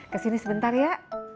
kesini sebentar ya